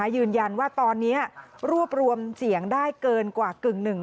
ยืนยันว่าตอนนี้รวบรวมเสียงได้เกินกว่ากึ่งหนึ่ง